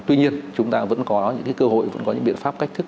tuy nhiên chúng ta vẫn có những cơ hội vẫn có những biện pháp cách thức